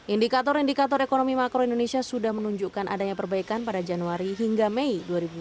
indikator indikator ekonomi makro indonesia sudah menunjukkan adanya perbaikan pada januari hingga mei dua ribu dua puluh